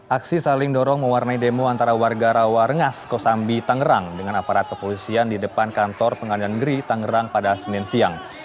aksi saling dorong mewarnai demo antara warga rawa rengas kosambi tangerang dengan aparat kepolisian di depan kantor pengadilan negeri tangerang pada senin siang